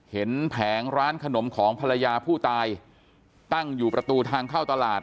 แผงร้านขนมของภรรยาผู้ตายตั้งอยู่ประตูทางเข้าตลาด